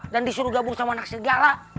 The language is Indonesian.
dan disuruh gabung sama anak serigala